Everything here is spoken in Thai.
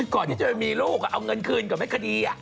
ก่อนที่จะมีลูกเอาเงินคืนกับแม่คดี